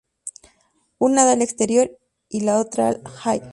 Una da al exterior, y la otra al "hall".